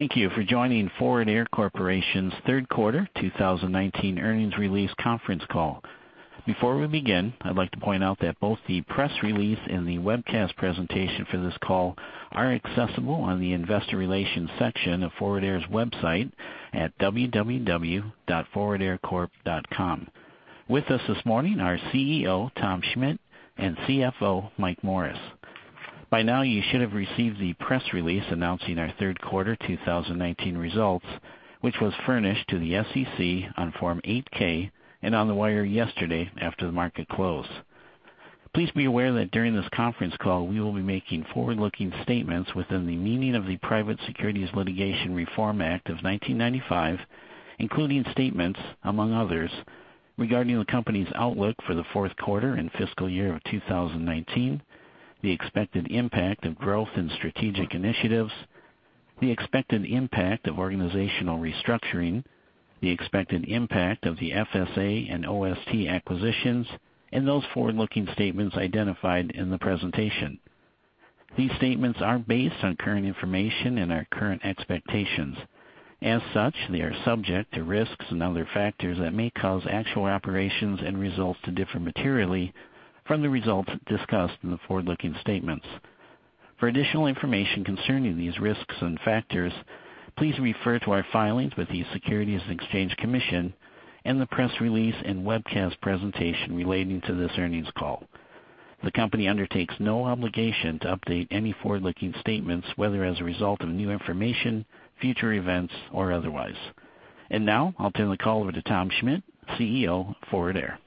Thank you for joining Forward Air Corporation's third quarter 2019 earnings release conference call. Before we begin, I'd like to point out that both the press release and the webcast presentation for this call are accessible on the investor relations section of Forward Air's website at www.forwardaircorp.com. With us this morning are CEO, Tom Schmitt, and CFO, Mike Morris. By now, you should have received the press release announcing our third quarter 2019 results, which was furnished to the SEC on Form 8-K and on the wire yesterday after the market close. Please be aware that during this conference call, we will be making forward-looking statements within the meaning of the Private Securities Litigation Reform Act of 1995, including statements, among others, regarding the company's outlook for the fourth quarter and fiscal year of 2019, the expected impact of growth and strategic initiatives, the expected impact of organizational restructuring, the expected impact of the FSA and OST acquisitions, and those forward-looking statements identified in the presentation. These statements are based on current information and our current expectations. As such, they are subject to risks and other factors that may cause actual operations and results to differ materially from the results discussed in the forward-looking statements. For additional information concerning these risks and factors, please refer to our filings with the Securities and Exchange Commission and the press release and webcast presentation relating to this earnings call. The company undertakes no obligation to update any forward-looking statements, whether as a result of new information, future events, or otherwise. Now, I'll turn the call over to Tom Schmitt, CEO of Forward Air.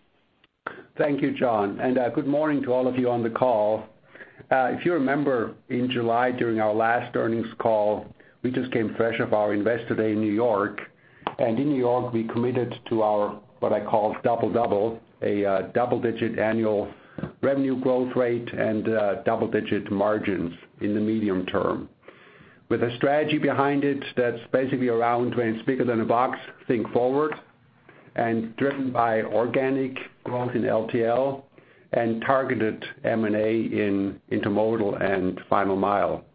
Thank you, John. Good morning to all of you on the call. If you remember, in July, during our last earnings call, we just came fresh off our Investor Day in New York. In New York, we committed to our, what I call double-double. A double-digit annual revenue growth rate and double-digit margins in the medium term. With a strategy behind it that's basically around when it's bigger than a box, think Forward, and driven by organic growth in LTL and targeted M&A in intermodal and final mile.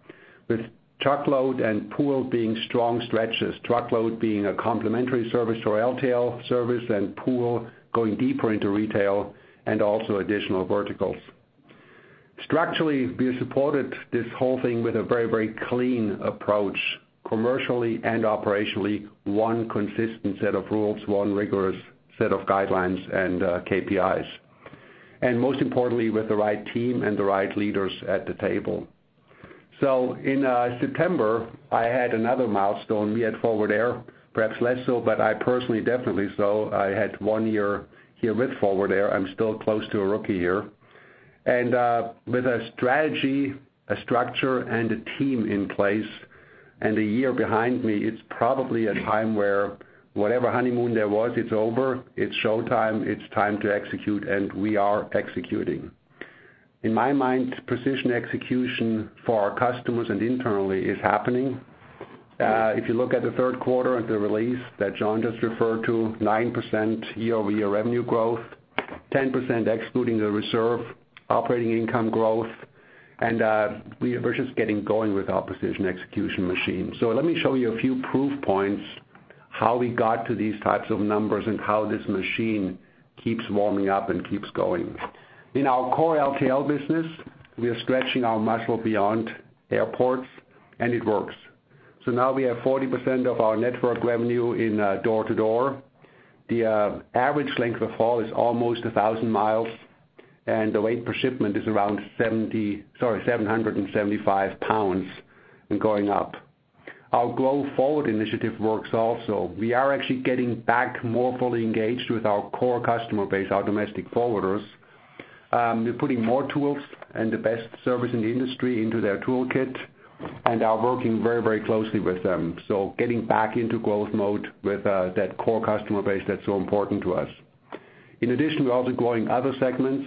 With truckload and pool being strong stretches, truckload being a complementary service to our LTL service and pool going deeper into retail and also additional verticals. Structurally, we supported this whole thing with a very clean approach, commercially and operationally, one consistent set of rules, one rigorous set of guidelines and KPIs. Most importantly, with the right team and the right leaders at the table. In September, I had another milestone. We at Forward Air, perhaps less so, but I personally definitely so, I had one year here with Forward Air. I'm still close to a rookie here. With a strategy, a structure, and a team in place, and a year behind me, it's probably a time where whatever honeymoon there was, it's over. It's showtime, it's time to execute, and we are executing. In my mind, precision execution for our customers and internally is happening. If you look at the third quarter and the release that John just referred to, 9% year-over-year revenue growth, 10% excluding the reserve operating income growth, and we are versus getting going with our precision execution machine. Let me show you a few proof points how we got to these types of numbers and how this machine keeps warming up and keeps going. In our core LTL business, we are stretching our muscle beyond airports, and it works. Now we have 40% of our network revenue in door-to-door. The average length of haul is almost 1,000 miles, and the weight per shipment is around 775 pounds and going up. Our Grow Forward initiative works also. We are actually getting back more fully engaged with our core customer base, our domestic forwarders. We're putting more tools and the best service in the industry into their toolkit and are working very closely with them. Getting back into growth mode with that core customer base that's so important to us. In addition, we're also growing other segments.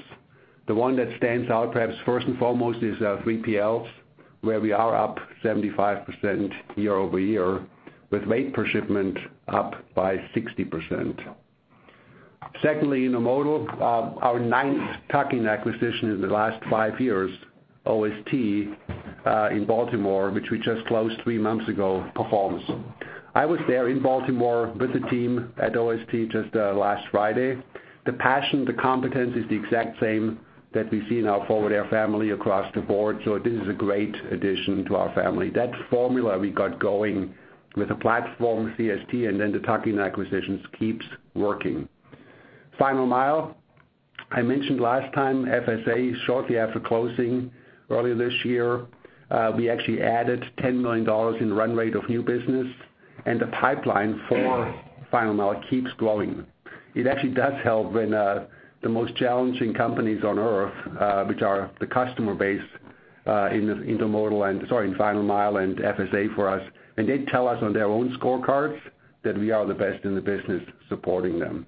The one that stands out perhaps first and foremost is 3PLs, where we are up 75% year-over-year with weight per shipment up by 60%. Secondly, intermodal, our ninth tuck-in acquisition in the last five years, O.S.T. in Baltimore, which we just closed three months ago, performs. I was there in Baltimore with the team at O.S.T. just last Friday. The passion, the competence is the exact same that we see in our Forward Air family across the board. This is a great addition to our family. That formula we got going with a platform, CST, and then the tuck-in acquisitions keeps working. Final mile, I mentioned last time, FSA, shortly after closing earlier this year, we actually added $10 million in run rate of new business. The pipeline for final mile keeps growing. It actually does help when the most challenging companies on Earth, which are the customer base in final mile and FSA for us, and they tell us on their own scorecards that we are the best in the business supporting them.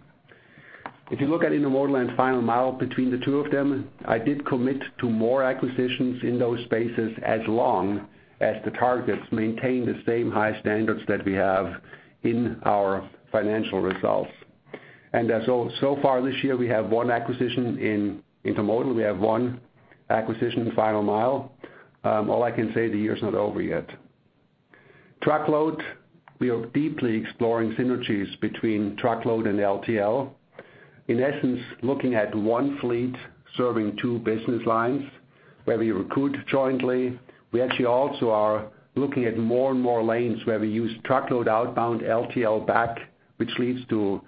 If you look at intermodal and final mile between the two of them, I did commit to more acquisitions in those spaces as long as the targets maintain the same high standards that we have in our financial results. So far this year, we have one acquisition in intermodal, we have one acquisition final mile. All I can say, the year's not over yet. Truckload, we are deeply exploring synergies between Truckload and LTL. In essence, looking at one fleet serving two business lines where we recruit jointly. We actually also are looking at more and more lanes where we use truckload outbound LTL back, which leads to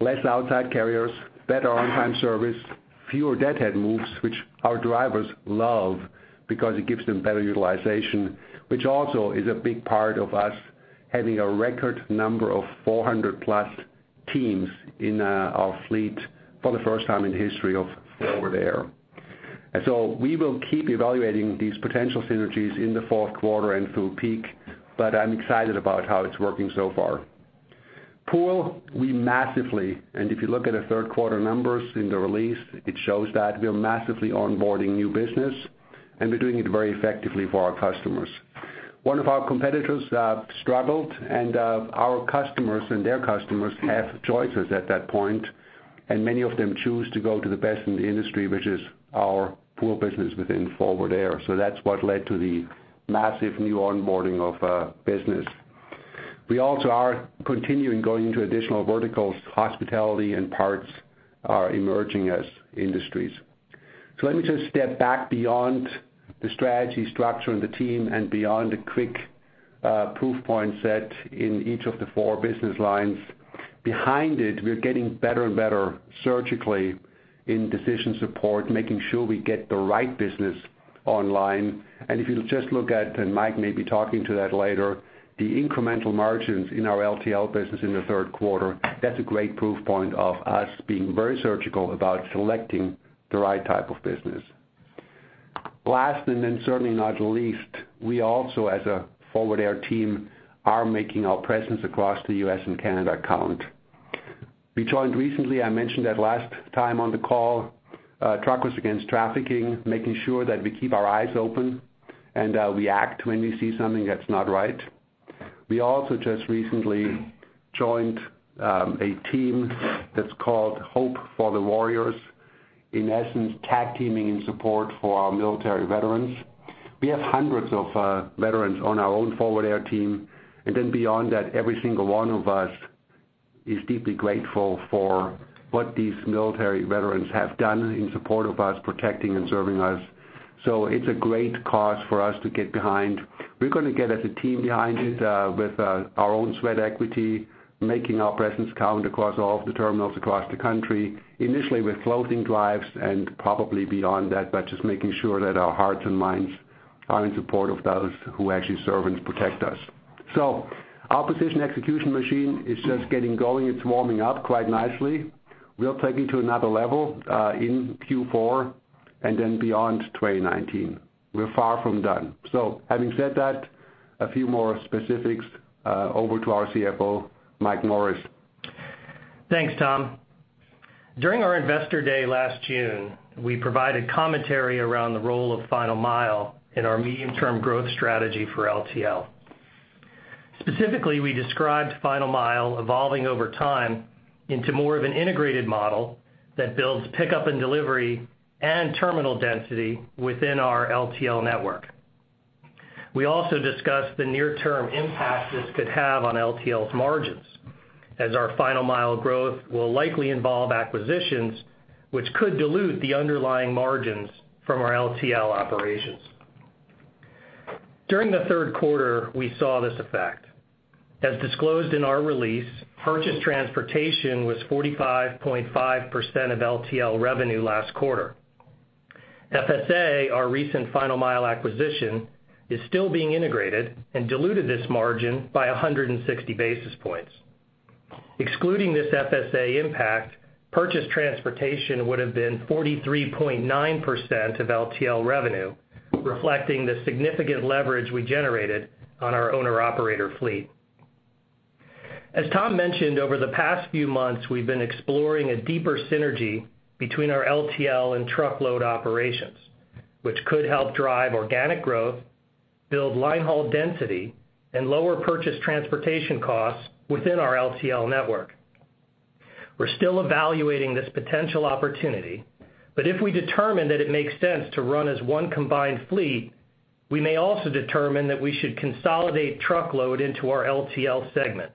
less outside carriers, better on-time service, fewer deadhead moves, which our drivers love because it gives them better utilization. Which also is a big part of us having a record number of 400-plus teams in our fleet for the first time in the history of Forward Air. We will keep evaluating these potential synergies in the fourth quarter and through peak, but I'm excited about how it's working so far. Pool, we massively, and if you look at the third-quarter numbers in the release, it shows that we are massively onboarding new business, and we're doing it very effectively for our customers. One of our competitors struggled, and our customers and their customers have choices at that point, and many of them choose to go to the best in the industry, which is our pool business within Forward Air. That's what led to the massive new onboarding of business. We also are continuing going into additional verticals. Hospitality and parts are emerging as industries. Let me just step back beyond the strategy, structure, and the team, and beyond the quick proof point set in each of the four business lines. Behind it, we are getting better and better surgically in decision support, making sure we get the right business online. If you'll just look at, and Mike may be talking to that later, the incremental margins in our LTL business in the third quarter, that's a great proof point of us being very surgical about selecting the right type of business. Last, then certainly not least, we also, as a Forward Air team, are making our presence across the U.S. and Canada count. We joined recently, I mentioned that last time on the call, Truckers Against Trafficking, making sure that we keep our eyes open, and we act when we see something that's not right. We also just recently joined a team that's called Hope For The Warriors. In essence, tag teaming in support for our military veterans. We have hundreds of veterans on our own Forward Air team, and then beyond that, every single one of us is deeply grateful for what these military veterans have done in support of us, protecting and serving us. It's a great cause for us to get behind. We're going to get as a team behind it with our own sweat equity, making our presence count across all of the terminals across the country. Initially with floating drives and probably beyond that, but just making sure that our hearts and minds are in support of those who actually serve and protect us. Our position execution machine is just getting going. It's warming up quite nicely. We'll take it to another level in Q4 and then beyond 2019. We're far from done. Having said that, a few more specifics. Over to our CFO, Mike Morris. Thanks, Tom. During our investor day last June, we provided commentary around the role of final mile in our medium-term growth strategy for LTL. Specifically, we described final mile evolving over time into more of an integrated model that builds pickup and delivery and terminal density within our LTL network. We also discussed the near-term impact this could have on LTL's margins, as our final mile growth will likely involve acquisitions, which could dilute the underlying margins from our LTL operations. During the third quarter, we saw this effect. As disclosed in our release, purchased transportation was 45.5% of LTL revenue last quarter. FSA, our recent final mile acquisition, is still being integrated and diluted this margin by 160 basis points. Excluding this FSA impact, purchased transportation would have been 43.9% of LTL revenue, reflecting the significant leverage we generated on our owner-operator fleet. As Tom mentioned, over the past few months, we've been exploring a deeper synergy between our LTL and truckload operations, which could help drive organic growth, build line haul density, and lower purchased transportation costs within our LTL network. We're still evaluating this potential opportunity, but if we determine that it makes sense to run as one combined fleet, we may also determine that we should consolidate truckload into our LTL segment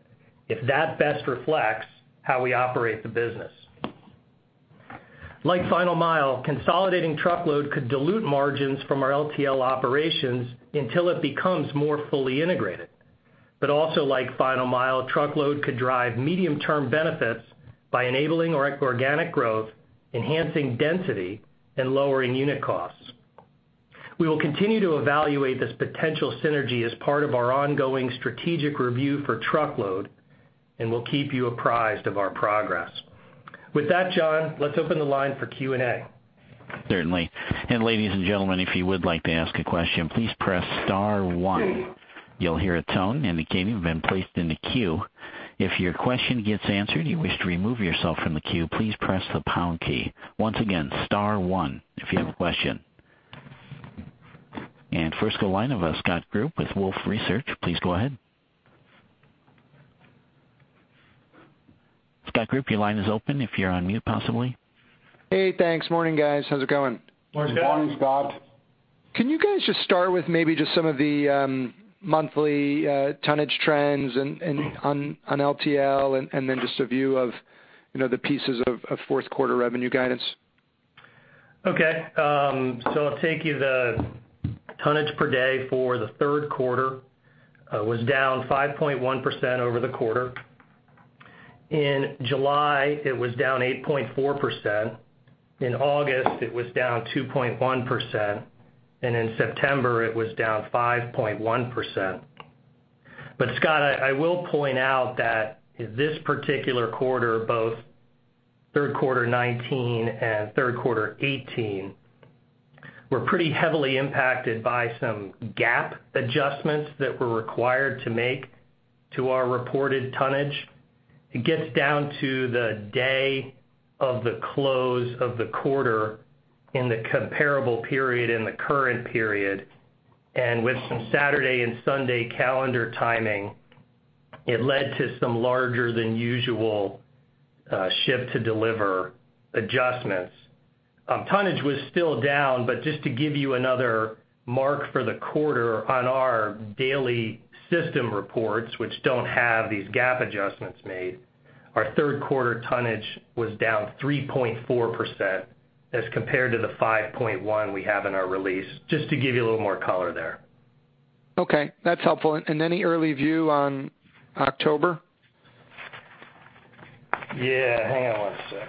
if that best reflects how we operate the business. Like final mile, consolidating truckload could dilute margins from our LTL operations until it becomes more fully integrated. Also like final mile, truckload could drive medium-term benefits by enabling organic growth, enhancing density, and lowering unit costs. We will continue to evaluate this potential synergy as part of our ongoing strategic review for truckload, and we'll keep you apprised of our progress. With that, John, let's open the line for Q&A. Certainly. Ladies and gentlemen, if you would like to ask a question, please press star one. You'll hear a tone indicating you've been placed in the queue. If your question gets answered, and you wish to remove yourself from the queue, please press the pound key. Once again, star one if you have a question. First, the line of Scott Group with Wolfe Research. Please go ahead. Scott Group, your line is open, if you're on mute, possibly. Hey, thanks. Morning, guys. How's it going? Morning, Scott. Morning, Scott. Can you guys just start with maybe just some of the monthly tonnage trends and on LTL, and then just a view of the pieces of fourth quarter revenue guidance? I'll tell you, the tonnage per day for the third quarter was down 5.1% over the quarter. In July, it was down 8.4%. In August, it was down 2.1%, and in September, it was down 5.1%. Scott, I will point out that this particular quarter, both third quarter 2019 and third quarter 2018, were pretty heavily impacted by some GAAP adjustments that we're required to make to our reported tonnage. It gets down to the day of the close of the quarter in the comparable period and the current period. With some Saturday and Sunday calendar timing, it led to some larger than usual ship-to-deliver adjustments. Tonnage was still down, but just to give you another mark for the quarter on our daily system reports, which don't have these GAAP adjustments made, our third quarter tonnage was down 3.4% as compared to the 5.1 we have in our release. Just to give you a little more color there. Okay, that's helpful. Any early view on October? Yeah. Hang on one sec.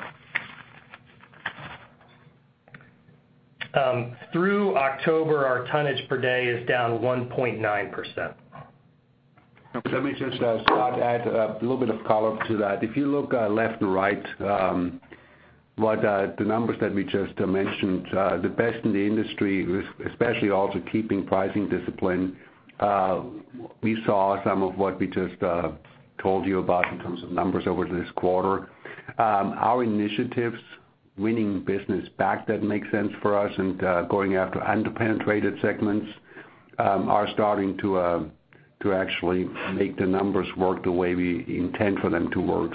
Through October, our tonnage per day is down 1.9%. Let me just, Scott, add a little bit of color to that. If you look left to right, what the numbers that we just mentioned, the best in the industry, especially also keeping pricing discipline. We saw some of what we just told you about in terms of numbers over this quarter. Our initiatives, winning business back that makes sense for us, and going after under-penetrated segments are starting to actually make the numbers work the way we intend for them to work.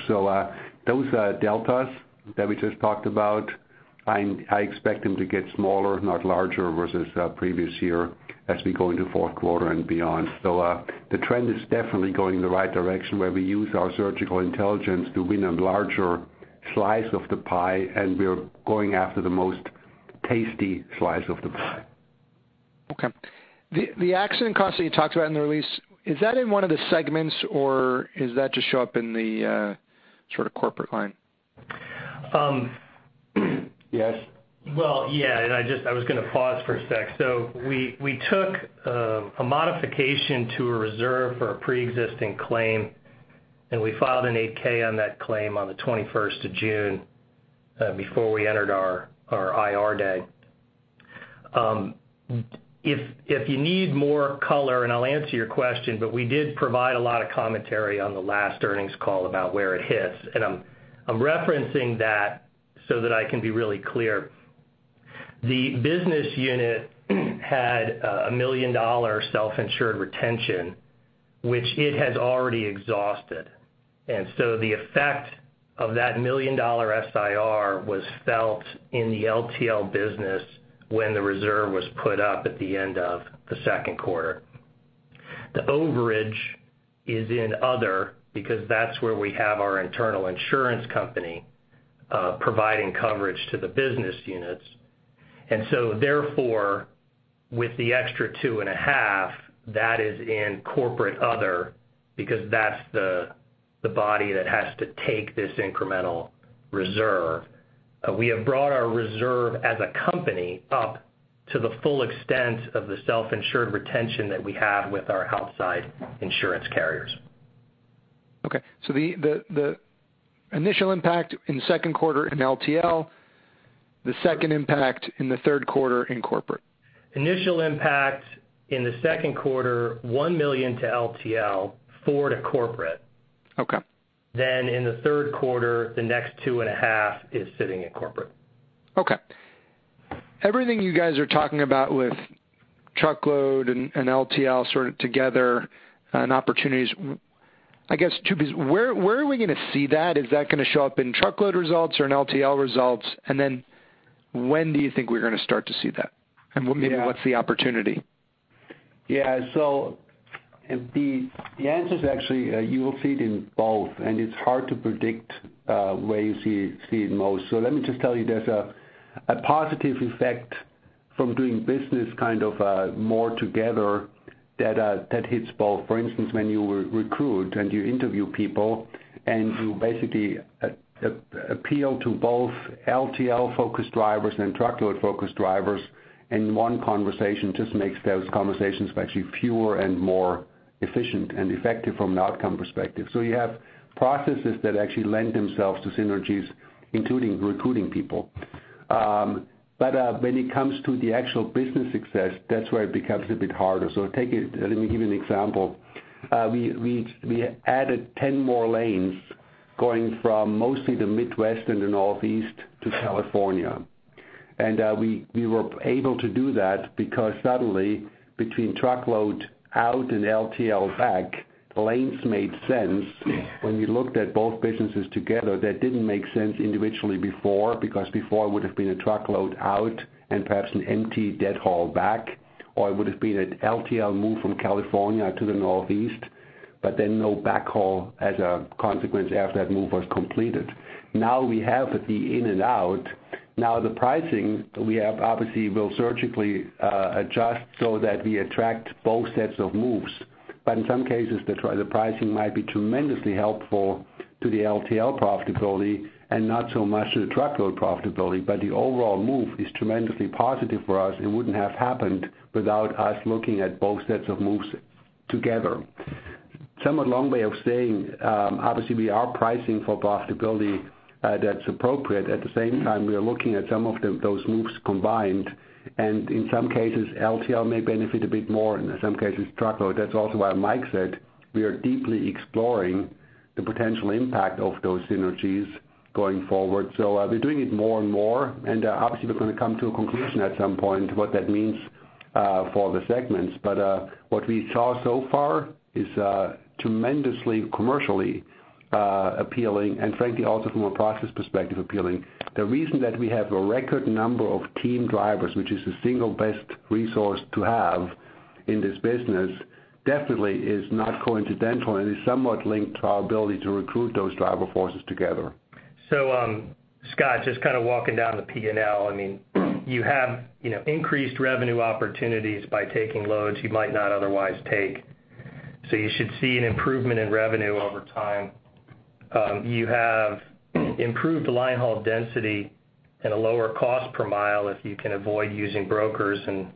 Those deltas that we just talked about, I expect them to get smaller, not larger, versus previous year as we go into fourth quarter and beyond. The trend is definitely going in the right direction, where we use our surgical intelligence to win a larger slice of the pie, and we are going after the most tasty slice of the pie. Okay. The accident cost that you talked about in the release, is that in one of the segments, or is that to show up in the corporate line? Yes. Yeah. I was going to pause for a sec. We took a modification to a reserve for a preexisting claim, and we filed an 8-K on that claim on the 21st of June before we entered our IR day. If you need more color, and I'll answer your question, but we did provide a lot of commentary on the last earnings call about where it hits, and I'm referencing that so that I can be really clear. The business unit had $1 million self-insured retention, which it has already exhausted. The effect of that $1 million SIR was felt in the LTL business when the reserve was put up at the end of the second quarter. The overage is in other, because that's where we have our internal insurance company providing coverage to the business units. With the extra two and a half, that is in corporate other because that's the body that has to take this incremental reserve. We have brought our reserve as a company up to the full extent of the self-insured retention that we have with our outside insurance carriers. Okay. The initial impact in the second quarter in LTL, the second impact in the third quarter in corporate. Initial impact in the second quarter, $1 million to LTL, $4 to corporate. Okay. In the third quarter, the next two and a half is sitting in corporate. Okay. Everything you guys are talking about with truckload and LTL together and opportunities, I guess two pieces. Where are we going to see that? Is that going to show up in truckload results or in LTL results? When do you think we're going to start to see that? Yeah. Maybe what's the opportunity? The answer is actually, you will see it in both, and it's hard to predict where you see it most. Let me just tell you, there's a positive effect from doing business more together that hits both. For instance, when you recruit and you interview people, and you basically appeal to both LTL-focused drivers and truckload-focused drivers in one conversation just makes those conversations actually fewer and more efficient and effective from an outcome perspective. You have processes that actually lend themselves to synergies, including recruiting people. When it comes to the actual business success, that's where it becomes a bit harder. Let me give you an example. We added 10 more lanes going from mostly the Midwest and the Northeast to California. We were able to do that because suddenly, between truckload out and LTL back, lanes made sense when we looked at both businesses together. That didn't make sense individually before, because before it would have been a truckload out and perhaps an empty dead haul back, or it would have been an LTL move from California to the Northeast, but then no backhaul as a consequence after that move was completed. Now we have the in and out. Now the pricing we have, obviously, we'll surgically adjust so that we attract both sets of moves. In some cases, the pricing might be tremendously helpful to the LTL profitability and not so much to the truckload profitability. The overall move is tremendously positive for us. It wouldn't have happened without us looking at both sets of moves together. Somewhat long way of saying, obviously we are pricing for profitability that's appropriate. At the same time, we are looking at some of those moves combined, and in some cases, LTL may benefit a bit more, and in some cases, truckload. That's also why Mike said we are deeply exploring the potential impact of those synergies going forward. We're doing it more and more, and obviously we're going to come to a conclusion at some point what that means for the segments. What we saw so far is tremendously commercially appealing and frankly, also from a process perspective, appealing. The reason that we have a record number of team drivers, which is the single best resource to have in this business, definitely is not coincidental, and is somewhat linked to our ability to recruit those driver forces together. Scott, just kind of walking down the P&L. You have increased revenue opportunities by taking loads you might not otherwise take. You should see an improvement in revenue over time. You have improved line haul density and a lower cost per mile if you can avoid using brokers and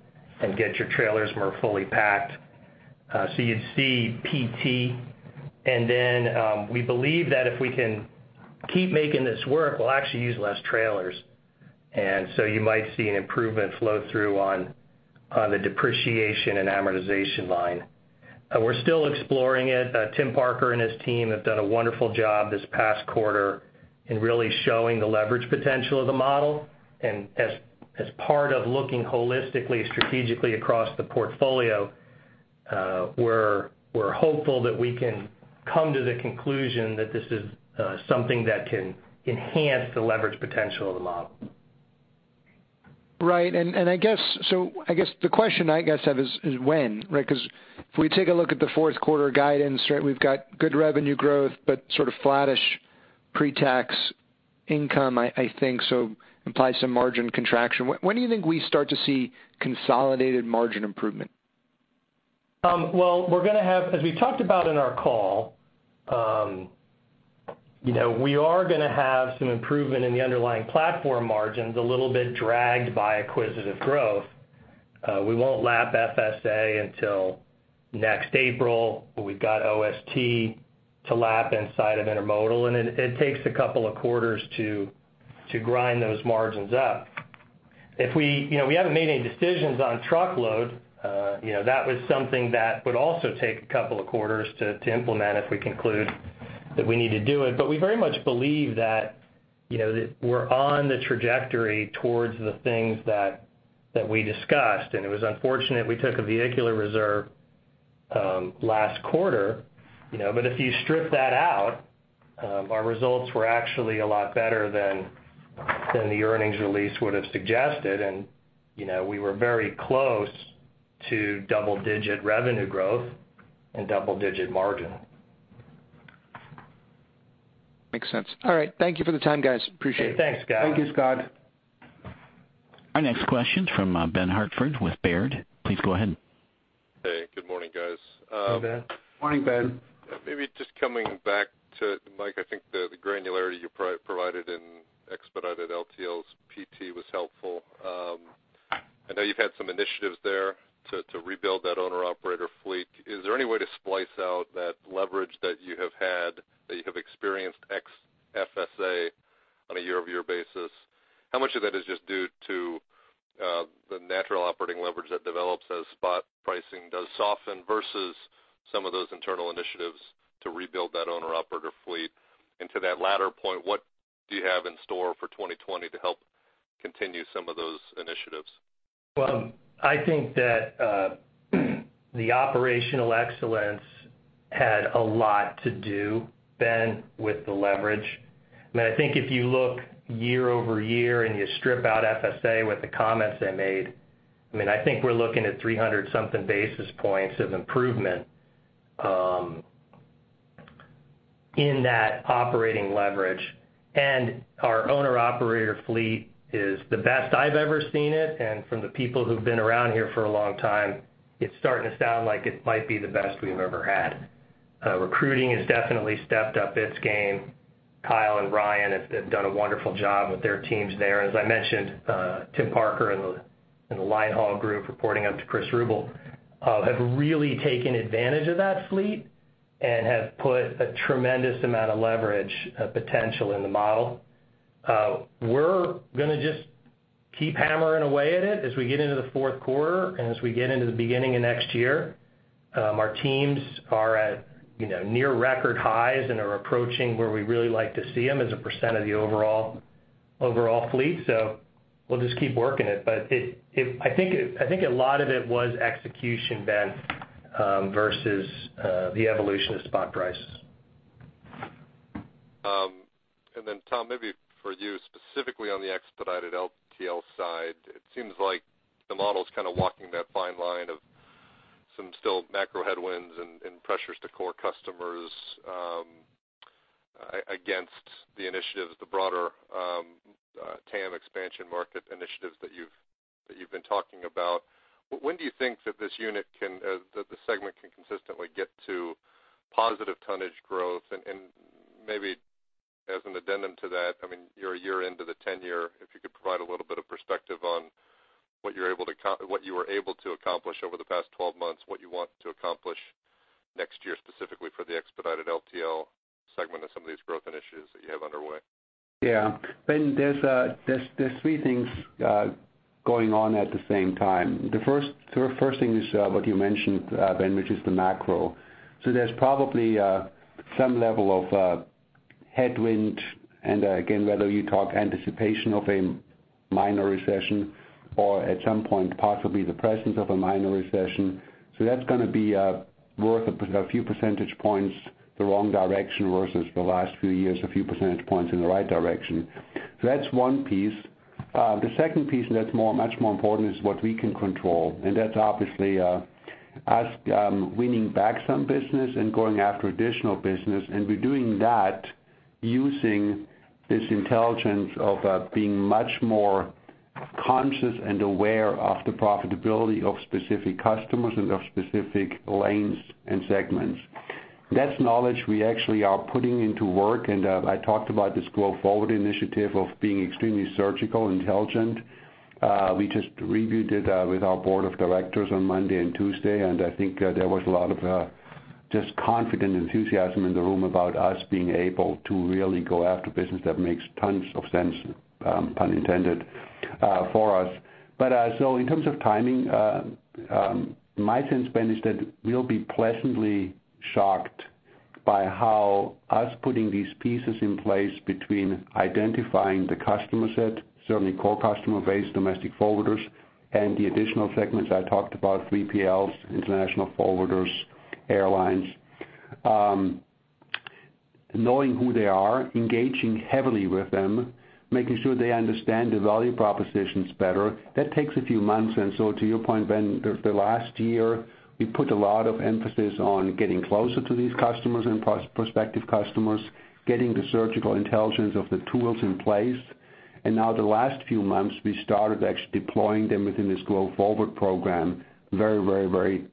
get your trailers more fully packed. You'd see PT. We believe that if we can keep making this work, we'll actually use less trailers. You might see an improvement flow through on the depreciation and amortization line. We're still exploring it. Tim Parker and his team have done a wonderful job this past quarter in really showing the leverage potential of the model. As part of looking holistically, strategically across the portfolio, we're hopeful that we can come to the conclusion that this is something that can enhance the leverage potential of the model. Right. I guess the question I have is when, right? If we take a look at the fourth quarter guidance, we've got good revenue growth, but sort of flattish pre-tax income, I think, so implies some margin contraction. When do you think we start to see consolidated margin improvement? Well, as we talked about in our call, we are going to have some improvement in the underlying platform margins, a little bit dragged by acquisitive growth. We won't lap FSA until next April. We've got OST to lap inside of intermodal, and it takes a couple of quarters to grind those margins up. We haven't made any decisions on truckload. That was something that would also take a couple of quarters to implement if we conclude that we need to do it. We very much believe that we're on the trajectory towards the things that we discussed, and it was unfortunate we took a vehicular reserve last quarter. If you strip that out, our results were actually a lot better than the earnings release would have suggested, and we were very close to double-digit revenue growth and double-digit margin. Makes sense. All right. Thank you for the time, guys. Appreciate it. Thanks, Scott. Thank you, Scott. Our next question from Ben Hartford with Baird. Please go ahead. Hey. Good morning, guys. Hey, Ben. Morning, Ben. Maybe just coming back to, Mike, I think the granularity you provided in expedited LTL PT was helpful. I know you've had some initiatives there to rebuild that owner-operator fleet. Is there any way to splice out that leverage that you have had, that you have experienced ex FSA on a year-over-year basis? How much of that is just due to the natural operating leverage that develops as spot pricing does soften versus some of those internal initiatives to rebuild that owner-operator fleet? To that latter point, what do you have in store for 2020 to help continue some of those initiatives? Well, I think that the operational excellence had a lot to do, Ben, with the leverage. I think if you look year-over-year and you strip out FSA with the comments I made, I think we're looking at 300 something basis points of improvement in that operating leverage. Our owner operator fleet is the best I've ever seen it, and from the people who've been around here for a long time, it's starting to sound like it might be the best we've ever had. Recruiting has definitely stepped up its game. Kyle and Ryan have done a wonderful job with their teams there. As I mentioned, Tim Parker and the line haul group, reporting up to Chris Ruble, have really taken advantage of that fleet and have put a tremendous amount of leverage potential in the model. We're going to just keep hammering away at it as we get into the fourth quarter and as we get into the beginning of next year. Our teams are at near record highs and are approaching where we really like to see them as a % of the overall fleet. We'll just keep working it. I think a lot of it was execution, Ben, versus the evolution of spot prices. Then, Tom, maybe for you specifically on the expedited LTL side, it seems like the model's kind of walking that fine line of some still macro headwinds and pressures to core customers against the initiatives, the broader TAM expansion market initiatives that you've been talking about. When do you think that the segment can consistently get to positive tonnage growth? And maybe as an addendum to that, you're a year into the 10-year, if you could provide a little bit of perspective on what you were able to accomplish over the past 12 months, what you want to accomplish next year, specifically for the expedited LTL segment of some of these growth initiatives that you have underway. Ben, there's three things going on at the same time. The first thing is what you mentioned, Ben, which is the macro. There's probably some level of headwind, and again, whether you talk anticipation of a minor recession or at some point, possibly the presence of a minor recession. That's going to be worth a few percentage points, the wrong direction versus the last few years, a few percentage points in the right direction. That's one piece. The second piece that's much more important is what we can control. That's obviously us winning back some business and going after additional business. We're doing that using this intelligence of being much more conscious and aware of the profitability of specific customers and of specific lanes and segments. That's knowledge we actually are putting into work. I talked about this Grow Forward initiative of being extremely surgical, intelligent. We just reviewed it with our board of directors on Monday and Tuesday, I think there was a lot of just confident enthusiasm in the room about us being able to really go after business that makes tons of sense, pun intended, for us. In terms of timing, my sense, Ben, is that we'll be pleasantly shocked by how us putting these pieces in place between identifying the customer set, certainly core customer base, domestic forwarders, and the additional segments I talked about, 3PLs, international forwarders, airlines. Knowing who they are, engaging heavily with them, making sure they understand the value propositions better. That takes a few months. To your point, Ben, the last year, we put a lot of emphasis on getting closer to these customers and prospective customers, getting the surgical intelligence of the tools in place. The last few months, we started actually deploying them within this Grow Forward program very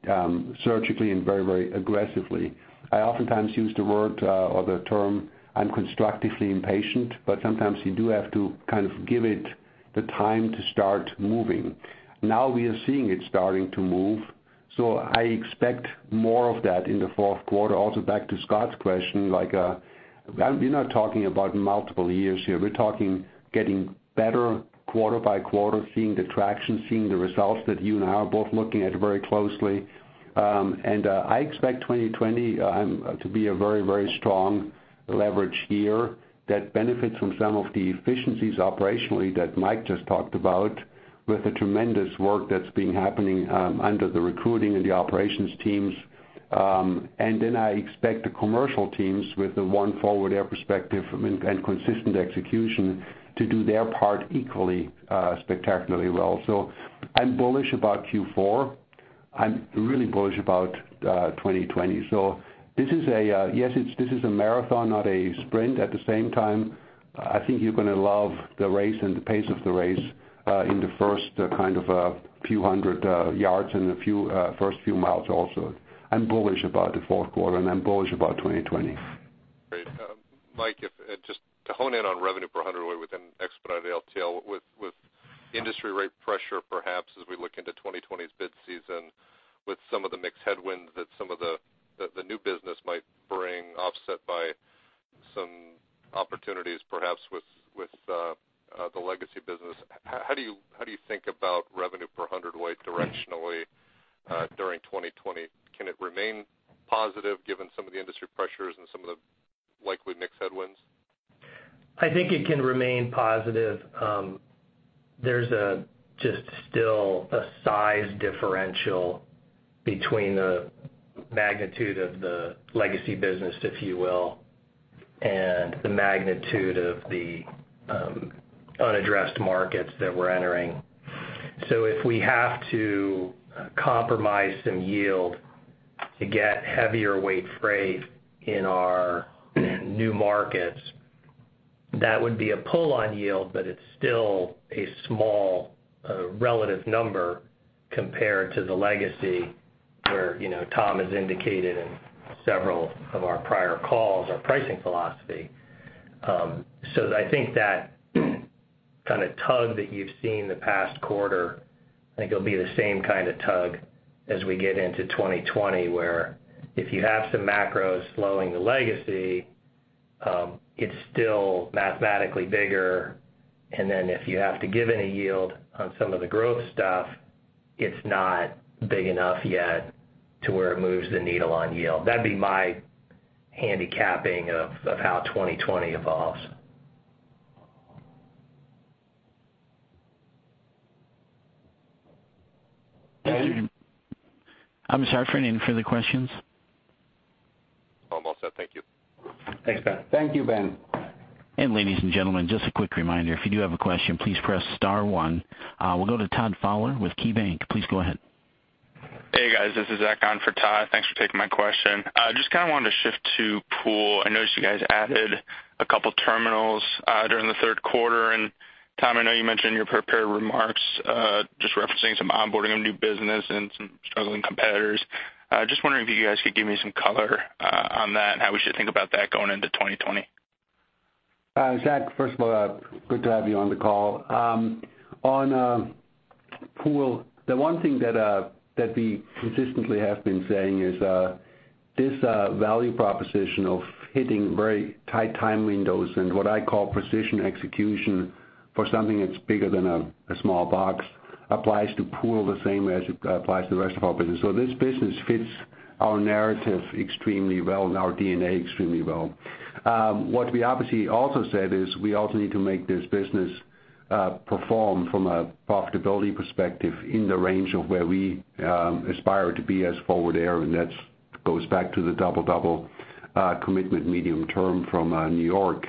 surgically and very aggressively. I oftentimes use the word or the term, I'm constructively impatient, but sometimes you do have to kind of give it the time to start moving. Now we are seeing it starting to move. I expect more of that in the fourth quarter. Also, back to Scott's question, we're not talking about multiple years here. We're talking getting better quarter by quarter, seeing the traction, seeing the results that you and I are both looking at very closely. I expect 2020 to be a very strong leverage year that benefits from some of the efficiencies operationally that Mike just talked about, with the tremendous work that's been happening under the recruiting and the operations teams. I expect the commercial teams with the One Forward Air perspective and consistent execution to do their part equally spectacularly well. I'm bullish about Q4. I'm really bullish about 2020. Yes, this is a marathon, not a sprint. At the same time, I think you're going to love the race and the pace of the race in the first kind of few hundred yards and the first few miles also. I'm bullish about the fourth quarter, and I'm bullish about 2020. Great. Mike, just to hone in on revenue per hundred weight within expedited LTL, with industry rate pressure, perhaps as we look into 2020's bid season with some of the mixed headwinds that some of the new business might bring, offset by some opportunities perhaps with the legacy business, how do you think about revenue per hundred weight directionally during 2020? Can it remain positive given some of the industry pressures and some of the likely mixed headwinds? I think it can remain positive. There's just still a size differential between the magnitude of the legacy business, if you will, and the magnitude of the unaddressed markets that we're entering. If we have to compromise some yield to get heavier weight freight in our new markets, that would be a pull on yield, but it's still a small relative number compared to the legacy where Tom has indicated in several of our prior calls, our pricing philosophy. I think that kind of tug that you've seen the past quarter, I think it'll be the same kind of tug as we get into 2020, where if you have some macros slowing the legacy. It's still mathematically bigger. If you have to give in a yield on some of the growth stuff, it's not big enough yet to where it moves the needle on yield. That'd be my handicapping of how 2020 evolves. Ben? I'm sorry, are there any further questions? I'm all set. Thank you. Thanks, Ben. Thank you, Ben. Ladies and gentlemen, just a quick reminder, if you do have a question, please press star one. We'll go to Todd Fowler with KeyBanc. Please go ahead. Hey, guys. This is Zach on for Todd. Thanks for taking my question. Just kind of wanted to shift to pool. I noticed you guys added a couple terminals during the third quarter. Tom, I know you mentioned in your prepared remarks, just referencing some onboarding of new business and some struggling competitors. Just wondering if you guys could give me some color on that and how we should think about that going into 2020. Zach, first of all, good to have you on the call. On pool, the one thing that we consistently have been saying is, this value proposition of hitting very tight time windows and what I call precision execution for something that's bigger than a small box applies to pool the same as it applies to the rest of our business. This business fits our narrative extremely well and our DNA extremely well. What we obviously also said is we also need to make this business perform from a profitability perspective in the range of where we aspire to be as Forward Air, and that goes back to the double-double commitment medium term from New York.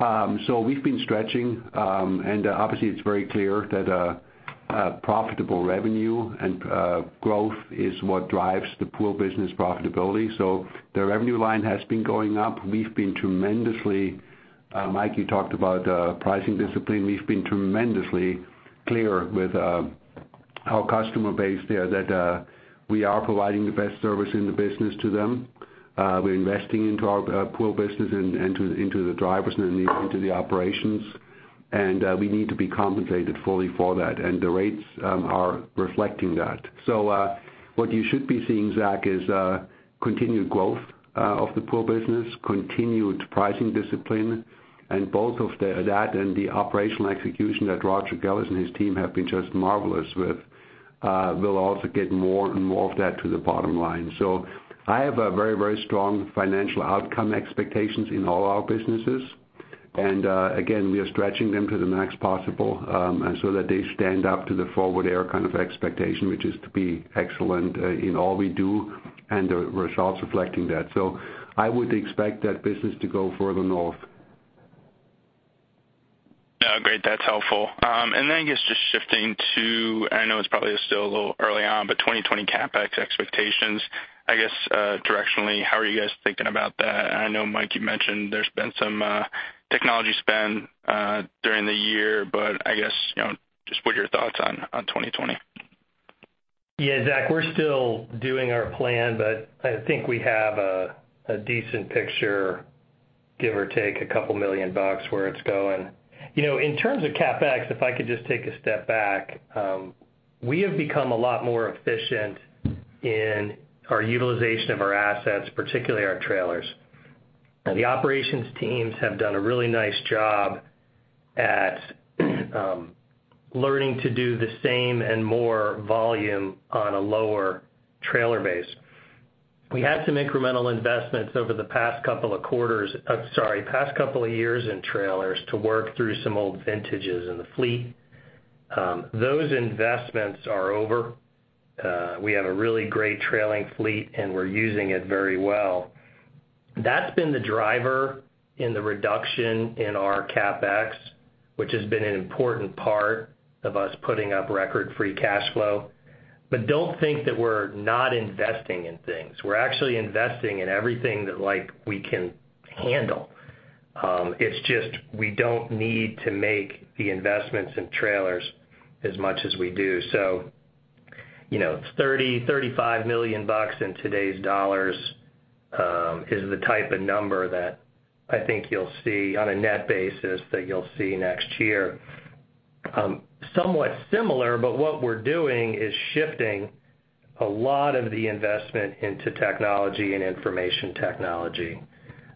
We've been stretching. Obviously it's very clear that profitable revenue and growth is what drives the pool business profitability. The revenue line has been going up. Mike, you talked about pricing discipline. We've been tremendously clear with our customer base there that we are providing the best service in the business to them. We're investing into our pool business and into the drivers and into the operations. We need to be compensated fully for that. The rates are reflecting that. What you should be seeing, Zach, is continued growth of the pool business, continued pricing discipline, and both of that and the operational execution that Roger Geller and his team have been just marvelous with, will also get more and more of that to the bottom line. I have a very, very strong financial outcome expectations in all our businesses. Again, we are stretching them to the max possible, and so that they stand up to the Forward Air kind of expectation, which is to be excellent in all we do and the results reflecting that. I would expect that business to go further north. No, great. That's helpful. I guess just shifting to, and I know it's probably still a little early on, but 2020 CapEx expectations, I guess directionally, how are you guys thinking about that? I know, Mike, you mentioned there's been some technology spend during the year, but I guess, just what are your thoughts on 2020? Yeah, Zach, we're still doing our plan, but I think we have a decent picture, give or take a couple million dollars where it's going. In terms of CapEx, if I could just take a step back, we have become a lot more efficient in our utilization of our assets, particularly our trailers. The operations teams have done a really nice job at learning to do the same and more volume on a lower trailer base. We had some incremental investments over the past couple of years in trailers to work through some old vintages in the fleet. Those investments are over. We have a really great trailing fleet, and we're using it very well. That's been the driver in the reduction in our CapEx, which has been an important part of us putting up record-free cash flow. Don't think that we're not investing in things. We're actually investing in everything that we can handle. It's just, we don't need to make the investments in trailers as much as we do. $30 million-$35 million in today's dollars, is the type of number that I think you'll see on a net basis that you'll see next year. Somewhat similar, but what we're doing is shifting a lot of the investment into technology and information technology.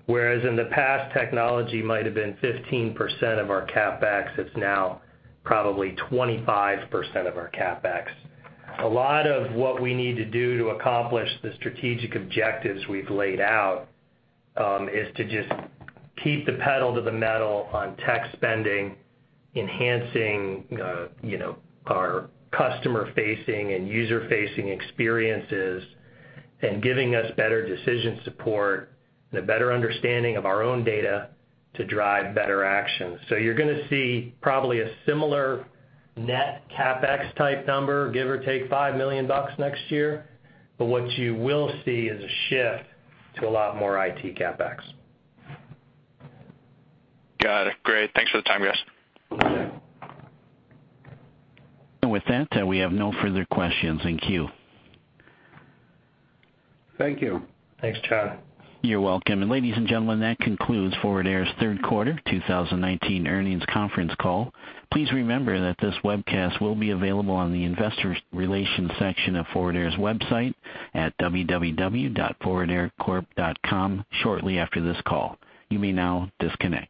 In the past, technology might have been 15% of our CapEx, it's now probably 25% of our CapEx. A lot of what we need to do to accomplish the strategic objectives we've laid out, is to just keep the pedal to the metal on tech spending, enhancing our customer-facing and user-facing experiences, and giving us better decision support and a better understanding of our own data to drive better actions. You're going to see probably a similar net CapEx type number, give or take $5 million next year. What you will see is a shift to a lot more IT CapEx. Got it. Great. Thanks for the time, guys. With that, we have no further questions in queue. Thank you. Thanks, Chad. You're welcome. Ladies and gentlemen, that concludes Forward Air's third quarter 2019 earnings conference call. Please remember that this webcast will be available on the investor relations section of Forward Air's website at www.forwardaircorp.com shortly after this call. You may now disconnect.